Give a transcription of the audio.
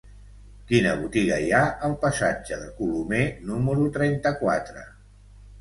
Quina botiga hi ha al passatge de Colomer número trenta-quatre?